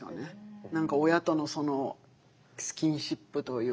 何か親とのそのスキンシップというか会話というか。